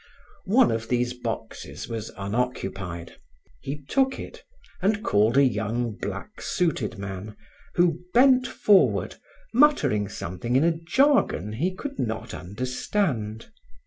One of these boxes was unoccupied. He took it and called a young black suited man who bent forward, muttering something in a jargon he could not understand.